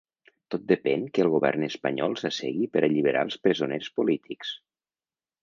Tot depèn que el govern espanyol s’assegui per alliberar els presoners polítics.